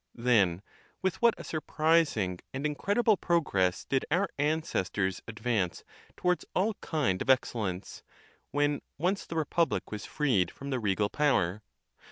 Then with what a surprising and incredible progress did our ancestors advance towards all kind of excellence, when once the republic was freed from the regal power!